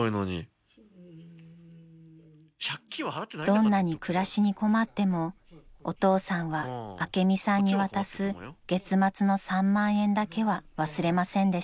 ［どんなに暮らしに困ってもお父さんは朱美さんに渡す月末の３万円だけは忘れませんでした］